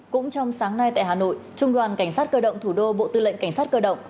cũng trong sáng nay tại hà nội trung đoàn cảnh sát cơ động thủ đô bộ tư lệnh cảnh sát cơ động